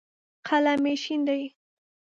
قلم مې شین دی.